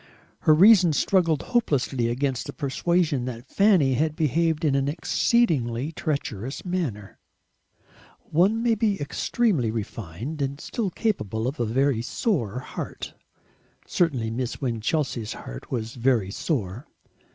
Her reason struggled hopelessly against the persuasion that Fanny had behaved in an exceedingly treacherous manner. One may be extremely refined and still capable of a very sore heart. Certainly Miss Winchelsea's heart was very sore.